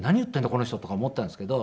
この人とか思ったんですけど。